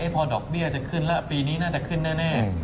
พอดอกเบี้ยจะขึ้นแล้วปีนี้น่าจะขึ้นแน่